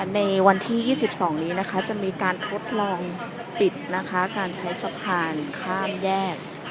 ในวันที่๒๒นี้นะคะจะมีการทดลองปิดนะคะการใช้สะพานข้ามแยก